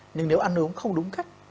nhưng nếu ăn uống không đúng cách